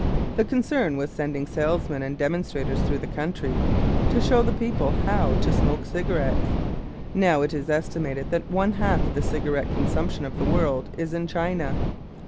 The concern was sending salesmen and demonstrators throughout the country to show the people how to smoke cigarettes. Now it is estimated that one half of the cigarette consumption of the world is in China.